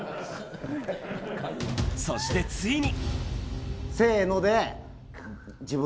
そしてついに。